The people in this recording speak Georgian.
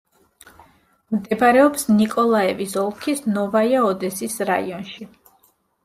მდებარეობს ნიკოლაევის ოლქის ნოვაია-ოდესის რაიონში.